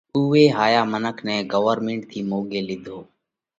اُوئي هائيا منک نئہ ڳورمنٽ ٿِي مونڳي لِيڌو۔